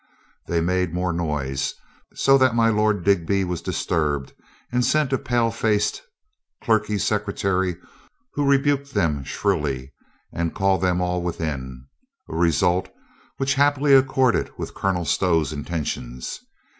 They made more noise. So that my Lord Digby was disturbed and sent a pale faced, clerkly secre tary who rebuked them shrilly and called them all within. A result which happily accorded with Colonel Stow's intentions.